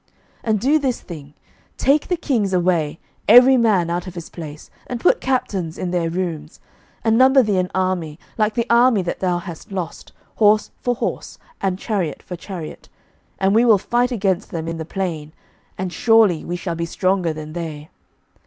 11:020:024 And do this thing, Take the kings away, every man out of his place, and put captains in their rooms: 11:020:025 And number thee an army, like the army that thou hast lost, horse for horse, and chariot for chariot: and we will fight against them in the plain, and surely we shall be stronger than they.